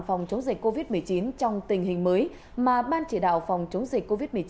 phòng chống dịch covid một mươi chín trong tình hình mới mà ban chỉ đạo phòng chống dịch covid một mươi chín